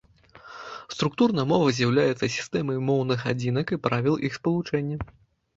Структурна мова з'яўляецца сістэмай моўных адзінак і правіл іх спалучэння.